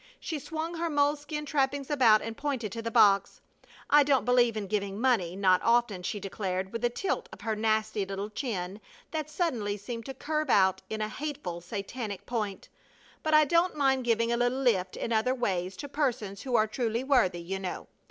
She swung her moleskin trappings about and pointed to the box. "I don't believe in giving money, not often," she declared, with a tilt of her nasty little chin that suddenly seemed to curve out in a hateful, Satanic point, "but I don't mind giving a little lift in other ways to persons who are truly worthy, you know.